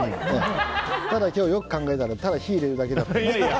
ただ、今日よく考えたらただ火を入れるだけだった。